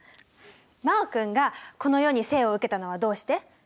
真旺君がこの世に生を受けたのはどうして？